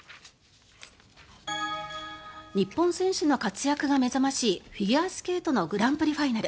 日本選手の活躍が目覚ましいフィギュアスケートのグランプリファイナル。